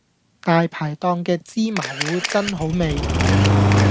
大排檔嘅芝麻糊真好味